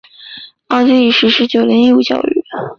奥地利实施九年义务教育。